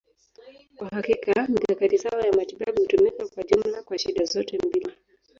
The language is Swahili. Kwa hakika, mikakati sawa ya matibabu hutumika kwa jumla kwa shida zote mbili.